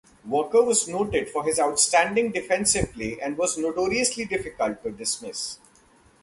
Walker was noted for his outstanding defensive play and was notoriously difficult to dismiss.